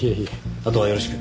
あとはよろしく。